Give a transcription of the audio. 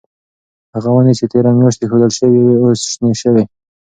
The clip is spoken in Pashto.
هغه ونې چې تیره میاشت ایښودل شوې وې اوس شنې شوې.